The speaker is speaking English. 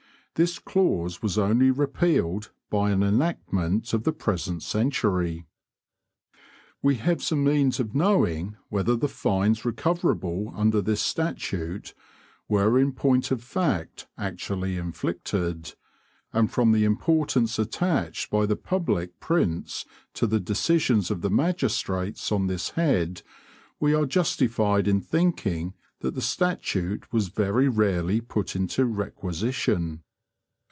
This clause was only repealed by an enactment of the present century. We have some means of knowing whether the fines recoverable under this statute were in point of fact actually inflicted, and from the importance attached by the public prints to the decisions of magistrates on this head, we are justified in thinking that the statute was very rarely put into requisition.